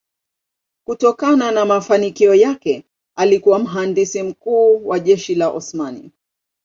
Kutokana na mafanikio yake alikuwa mhandisi mkuu wa jeshi la Osmani.